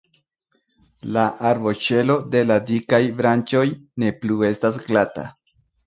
La arboŝelo de la dikaj branĉoj ne plu estas glata.